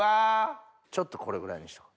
ちょっとこれぐらいに。